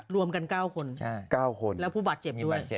รวมกัน๙คน๙คนแล้วผู้บาดเจ็บด้วย